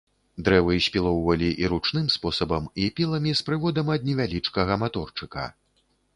Дрэвы спілоўвалі і ручным спосабам і піламі з прыводам ад невялічкага маторчыка.